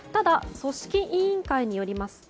組織委員会によりますと